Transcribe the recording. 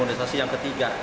imunisasi yang ketiga